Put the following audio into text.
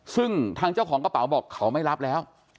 ซึ่งทางเจ้าของกระเป๋าบอกเขาไม่รับแล้ว